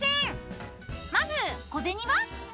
［まず小銭は？］